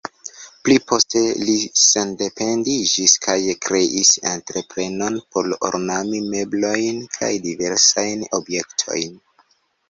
Pli poste li sendependiĝis kaj kreis entreprenon por ornami meblojn kaj diversajn objektojn.